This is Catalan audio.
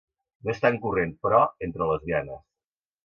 No és tan corrent, però, entre lesbianes.